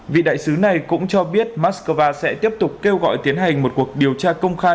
vị đại sứ này cũng cho biết moscow sẽ tiếp tục kêu gọi tiến hành một cuộc điều tra công khai